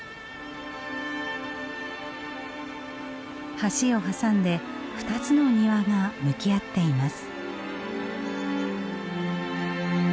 橋を挟んで２つの庭が向き合っています。